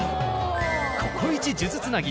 ここイチ数珠つなぎ